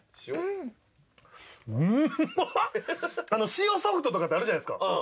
塩ソフトとかってあるじゃないですか。